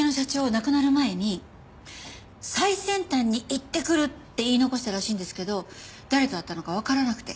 亡くなる前に「最先端に行ってくる」って言い残したらしいんですけど誰と会ったのかわからなくて。